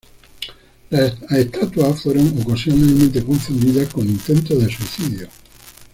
Las estatuas fueron ocasionalmente confundidas con intentos de suicidio.